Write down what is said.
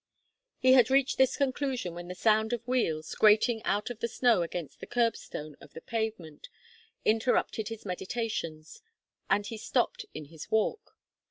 He had reached this conclusion, when the sound of wheels, grating out of the snow against the curb stone of the pavement, interrupted his meditations, and he stopped in his walk.